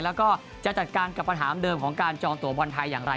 แล้วก็จะจัดการกับปัญหาเดิมของการจองตัวบอลไทยอย่างไร